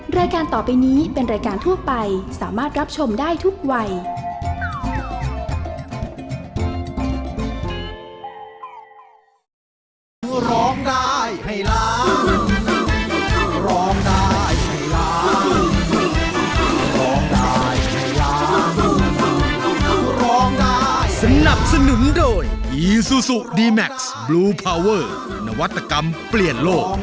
รายการต่อไปนี้เป็นรายการทั่วไปสามารถรับชมได้ทุกวัย